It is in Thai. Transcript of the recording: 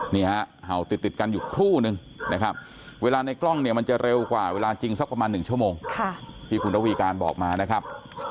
เห่าติดกันอยู่ครู่นึงนะครับเวลาในกล้องเนี่ยมันจะเร็วกว่าเวลาจริงสักประมาณ๑ชั่วโมงที่คุณระวีการบอกมานะครับ